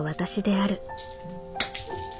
あ！